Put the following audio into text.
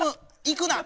いくな！